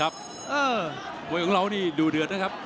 มวยของเรานี่ดูเดือดนะครับ